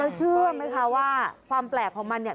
แล้วเชื่อไหมคะว่าความแปลกของมันเนี่ย